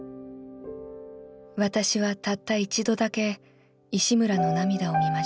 「私はたった一度だけ石村の涙を見ました。